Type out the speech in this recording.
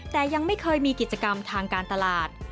แต่ยังไม่เคยมีกิจกรรมทางการตลาด